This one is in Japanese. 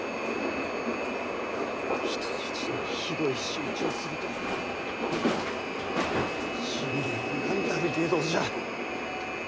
人質にひどい仕打ちをするとは信玄は何たる外道じゃ！